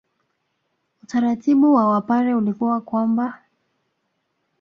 Utaratibu wa Wapare ulikuwa kwamba